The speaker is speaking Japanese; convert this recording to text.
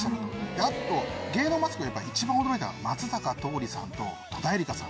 あと芸能マスコミ一番驚いたの松坂桃李さんと戸田恵梨香さん。